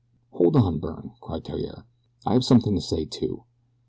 "Hold on, Byrne," cried Theriere; "I have something to say, too.